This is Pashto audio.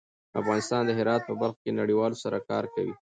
افغانستان د هرات په برخه کې نړیوالو سره کار کوي.